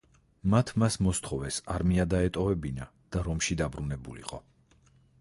მათ მას მოსთხოვეს არმია დაეტოვებინა და რომში დაბრუნებულიყო.